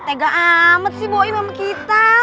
tega amat si poim sama kita